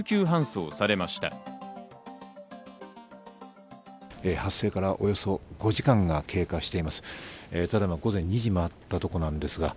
発生からおよそ５時間が経過しています。